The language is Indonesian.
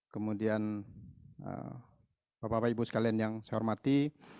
kemudian bapak bapak ibu sekalian yang saya hormati